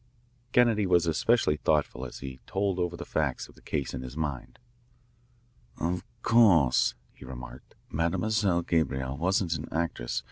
Kennedy was especially thoughtful as he told over the facts of the case in his mind. "Of course," he remarked, " Mademoiselle Gabrielle wasn't an actress.